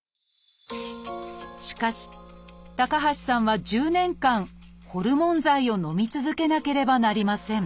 しかし高橋さんは１０年間ホルモン剤をのみ続けなければなりません